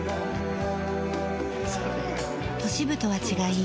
都市部とは違い